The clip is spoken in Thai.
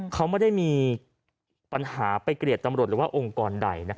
เขาไม่ได้มีปัญหาไปเกลียดตำรวจหรือว่าองค์กรใด